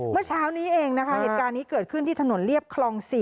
เมื่อเช้านี้เองนะคะเหตุการณ์นี้เกิดขึ้นที่ถนนเรียบคลอง๔